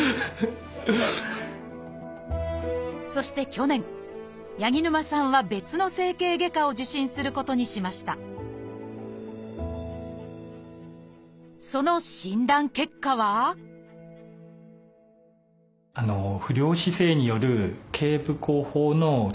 そして去年八木沼さんは別の整形外科を受診することにしましたその診断結果は不良姿勢による頚部後方の筋緊張